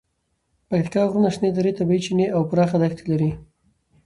پکتیکا غرونه، شنې درې، طبیعي چینې او پراخې دښتې لري.